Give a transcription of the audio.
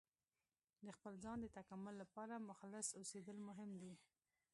د خپل ځان د تکامل لپاره مخلص اوسیدل مهم دي.